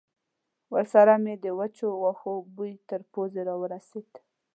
ورسره مې د وچو وښو بوی تر پوزې را ورسېد.